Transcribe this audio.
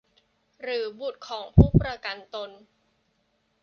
หรือบุตรของผู้ประกันตน